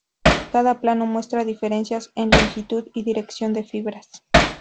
Cada plano muestra diferencias en longitud y dirección de fibras.